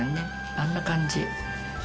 あんな感じ。